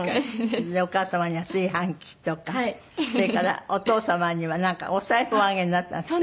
じゃあお母様には炊飯器とかそれからお父様にはなんかお財布をおあげになったって？